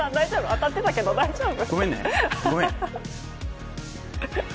当たってたけど大丈夫？